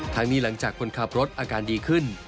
นี้หลังจากคนขับรถอาการดีขึ้น